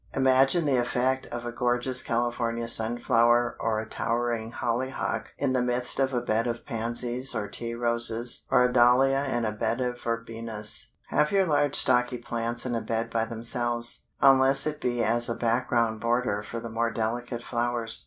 Imagine the effect of a gorgeous California Sunflower or a towering Hollyhock in the midst of a bed of Pansies, or Tea Roses, or a Dahlia in a bed of Verbenas! Have your large stocky plants in a bed by themselves, unless it be as a background border for the more delicate flowers.